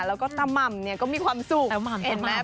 แล้วก็ต่าม่ำเนี่ยก็มีความสุขเอ็นไหม